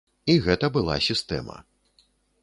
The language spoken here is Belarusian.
І гэта была сістэма.